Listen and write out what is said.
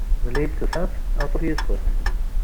Meli i d-tusamt anṣuf yes-kent.